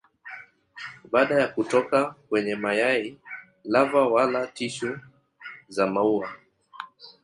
Baada ya kutoka kwenye mayai lava wala tishu za maua.